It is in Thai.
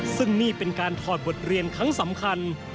ซึ่งนี่เป็นการถอดบทเรียนครั้งสำคัญ